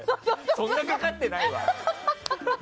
そんなかかってないわ！